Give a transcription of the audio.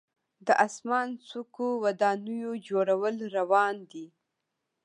د اسمان څکو ودانیو جوړول روان دي.